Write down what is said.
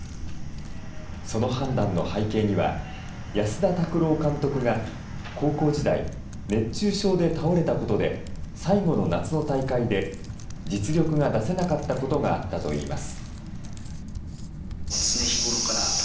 その判断の背景には、安田拓朗監督が高校時代、熱中症で倒れたことで、最後の夏の大会で実力が出せなかったことがあったといいます。